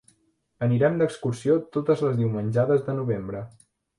Anirem d'excursió totes les diumenjades de novembre.